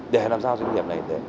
để làm sao doanh nghiệp này